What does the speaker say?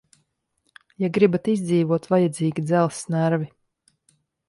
Ja gribat izdzīvot, vajadzīgi dzelzs nervi.